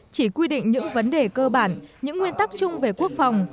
chỉ quy định những vấn đề cơ bản những nguyên tắc chung về quốc phòng